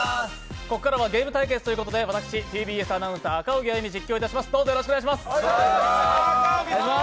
ここからはゲーム対決ということで私、ＴＢＳアナウンサー赤荻歩、実況いたします。